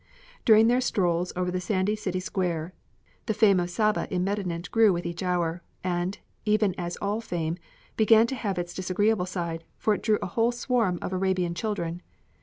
During their strolls over the sandy city square the fame of Saba in Medinet grew with each hour and, even as all fame, began to have its disagreeable side, for it drew a whole swarm of Arabian children.